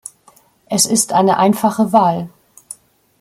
Es ist eine einfache Wahl.